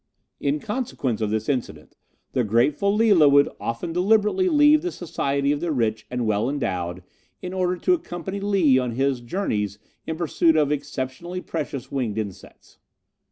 "In consequence of this incident the grateful Lila would often deliberately leave the society of the rich and well endowed in order to accompany Lee on his journeys in pursuit of exceptionally precious winged insects.